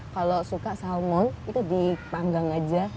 kalau suka salmon itu dipanggang aja